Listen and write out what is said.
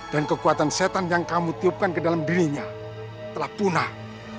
dan kekuatan setan yang kamu tiupkan ke dalam dirinya telah punah